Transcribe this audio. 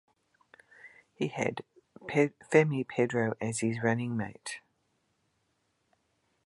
He had Femi Pedro as his running mate.